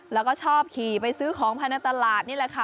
แล้วก็ชอบขี่ไปซื้อของภายในตลาดนี่แหละค่ะ